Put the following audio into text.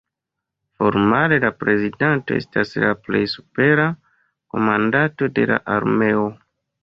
Formale la prezidanto estas la plej supera komandanto de la armeo.